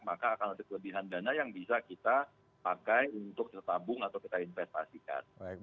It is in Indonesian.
maka akan ada kelebihan dana yang bisa kita pakai untuk kita tabung atau kita investasikan